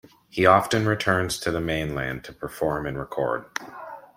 He often returns to the mainland to perform and record.